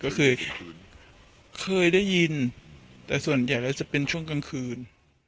ก็เคยเคยได้ยินแต่ส่วนใหญ่แล้วจะเป็นช่วงกลางคืน